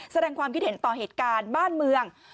แสดงความคิดเห็นต่อเหตุการณ์บ้านเมือง